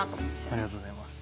ありがとうございます。